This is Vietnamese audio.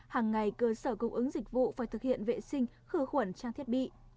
hàng ngày cơ sở cung ứng dịch vụ phải thực hiện vệ sinh khử khuẩn trang thiết bị